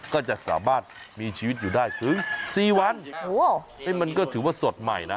ก็จะสามารถมีชีวิตอยู่ได้ถึง๔วันมันก็ถือว่าสดใหม่นะ